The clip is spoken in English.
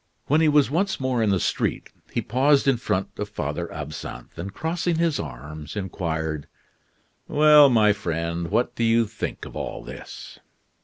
When he was once more in the street, he paused in front of Father Absinthe, and crossing his arms, inquired: "Well, my friend, what do you think of all this?"